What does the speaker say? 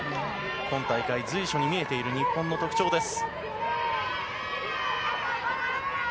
今大会、随所に見えている日本の特徴です。